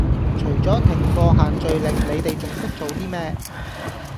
除左停課限聚令你地仲識做 D 咩